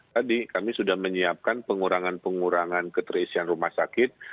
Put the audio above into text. tadi kami sudah menyiapkan pengurangan pengurangan keterisian rumah sakit